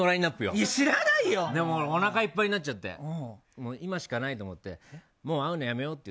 おなかいっぱいになっちゃって今しかないと思ってもう会うのやめよって。